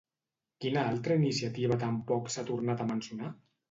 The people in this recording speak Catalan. Quina altra iniciativa tampoc s'ha tornat a mencionar?